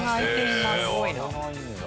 すごいな。